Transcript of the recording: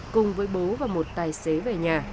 cùng với bố và một tài xế về nhà